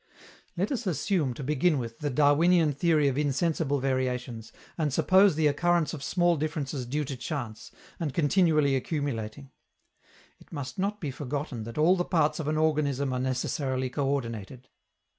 Let us assume, to begin with, the Darwinian theory of insensible variations, and suppose the occurrence of small differences due to chance, and continually accumulating. It must not be forgotten that all the parts of an organism are necessarily coördinated.